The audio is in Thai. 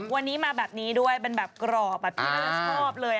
วันนี้มาแบบนี้ด้วยเป็นแบบกรอบแบบที่น่าชอบเลย